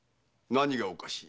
何がおかしい？